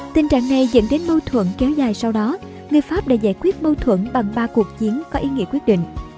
tình trạng này dẫn đến mâu thuẫn kéo dài sau đó người pháp đã giải quyết mâu thuẫn bằng ba cuộc chiến có ý nghĩa quyết định